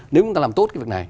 nếu chúng ta làm tốt cái việc này